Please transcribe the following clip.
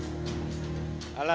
alasan utama adalah